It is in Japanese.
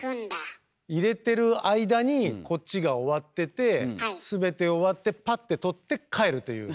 いれてる間にこっちが終わってて全て終わってパッて取って帰るという。